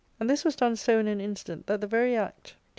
And this was done so in an instant that the very act did 342 ARCADIA.